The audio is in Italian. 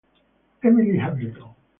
Emily Hamilton